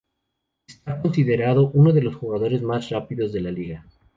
Está considerado uno de los jugadores más rápidos de la liga.